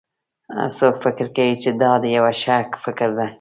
څوک فکر کوي چې دا یو ښه فکر ده